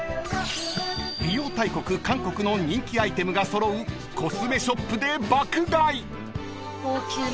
［美容大国韓国の人気アイテムが揃うコスメショップで爆買い］